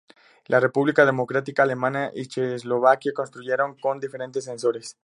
La República Democrática Alemana y Checoslovaquia contribuyeron con diferentes sensores.